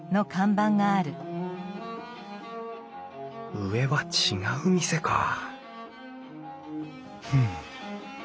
上は違う店かふん。